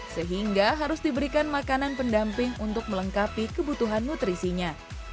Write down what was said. sehingga harus diberikan makanan pendamping untuk melengkapi kebutuhan nutrisinya